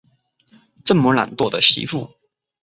这么懒惰的媳妇